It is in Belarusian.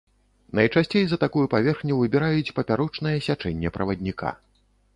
Найчасцей за такую паверхню выбіраюць папярочнае сячэнне правадніка.